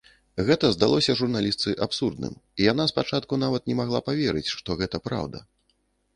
Гэта здалося журналістцы абсурдным, і яна спачатку нават не магла паверыць, што гэта праўда.